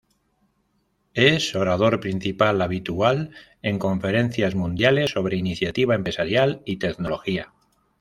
Es orador principal habitual en conferencias mundiales sobre iniciativa empresarial y tecnología.